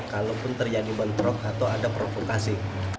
kalaupun terjadi bentrok atau ada provokasi